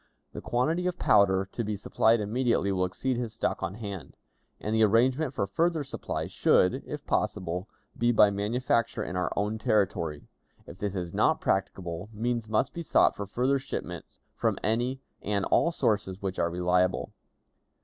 "The quantity of powder to be supplied immediately will exceed his stock on hand, and the arrangement for further supply should, if possible, be by manufacture in our own territory; if this is not practicable, means must be sought for further shipments from any and all sources which are reliable.